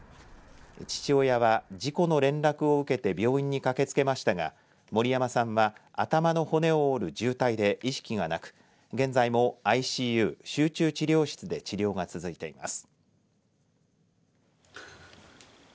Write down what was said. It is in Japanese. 父親は事故の連絡を受けて病院に駆けつけましたが森山さんは頭の骨を折る重体で意識がなく現在もＩＣＵ、集中治療室で治療が続いています。